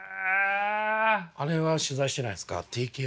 あれは取材してないですか？